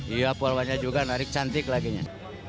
iya polwanya juga narik cantik laginya